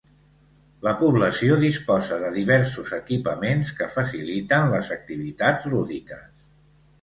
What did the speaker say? La població disposa de diversos equipaments que faciliten les activitats lúdiques.